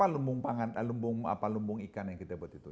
jadi apa lumbung ikan yang kita buat itu